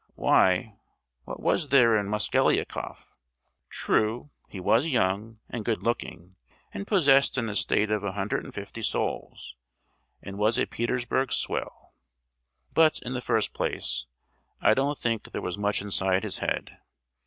Why, what was there in Mosgliakoff? True, he was young and good looking, and possessed an estate of a hundred and fifty souls, and was a Petersburg swell; but, in the first place, I don't think there was much inside his head.